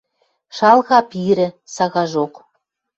Шалга Пирӹ. Сагажок